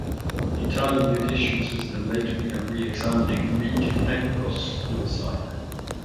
The Italian judicial system later began re-examining Luigi Tenco's suicide.